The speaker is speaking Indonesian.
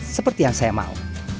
seperti yang saya mau